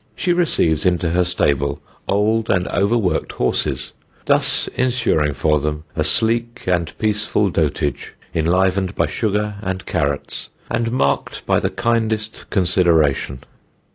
She receives into her stable old and overworked horses, thus ensuring for them a sleek and peaceful dotage enlivened by sugar and carrots, and marked by the kindest consideration.